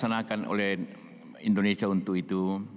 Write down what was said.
apa yang dilaksanakan oleh indonesia untuk itu